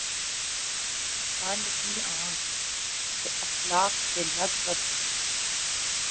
بند کی آنکھ ، تو افلاک سے لگ کر سویا